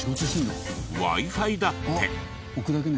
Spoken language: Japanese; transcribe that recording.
Ｗｉ−Ｆｉだって。